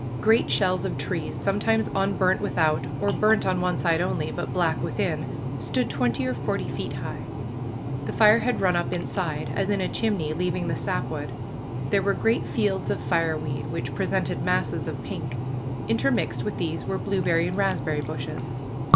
Great shells of trees, sometimes unburnt without, or burnt on one side only, but black within, stood twenty or forty feet high. The fire had run up inside, as in a chimney, leaving the sapwood. There were great fields of fireweed, which presented masses of pink. Intermixed with these were blueberry and raspberry bushes.